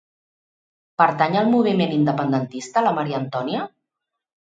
Pertany al moviment independentista la Maria Antonia?